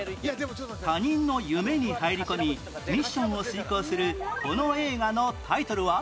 他人の夢に入り込みミッションを遂行するこの映画のタイトルは？